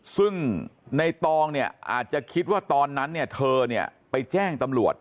ซึ่งในตองเนี่ยอาจจะคิดว่าตอนนั้นเนี่ยเธอเนี่ยไปแจ้งตำรวจ